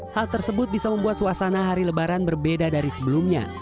hal tersebut bisa membuat suasana hari lebaran berbeda dari sebelumnya